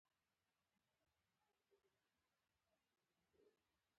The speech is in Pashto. علي په مناسب وخت او ځای کې له خپلو همځولو سره ټوکې ټکالې کوي.